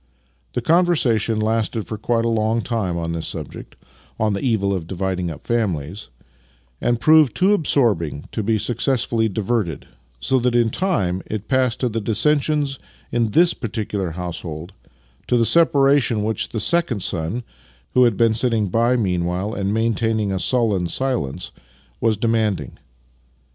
The conversation lasted for quite a long time on this subject — on the evil of dividing up families — and proved too absorbing to be successfully diverted, so that in time it passed to the dissensions in this particular household — to the separation which the second son (who had been sitting by meanwhile and maintaining a sullen silence) was demanding.